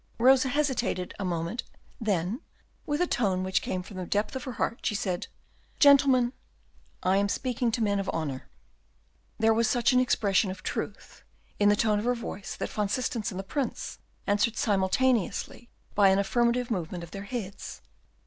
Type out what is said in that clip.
Rosa hesitated a moment; then with a tone which came from the depth of her heart, she said, "Gentlemen, I am speaking to men of honor." There was such an expression of truth in the tone of her voice, that Van Systens and the Prince answered simultaneously by an affirmative movement of their heads.